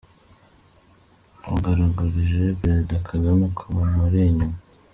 Bagaragarije Perezida Kagame ko bamuri inyuma.